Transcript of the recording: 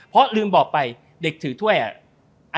เพราะลืมบอกไปเด็กถือถ้วยอ่ะ